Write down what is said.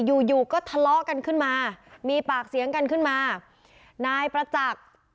อยู่อยู่ก็ทะเลาะกันขึ้นมามีปากเสียงกันขึ้นมานายประจักษ์